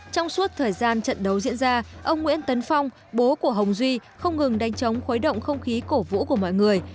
trong suốt thời gian trận đấu diễn ra ông nguyễn tấn phong bố của hồng duy không ngừng đánh chống khuấy động không khí cổ vũ của mọi người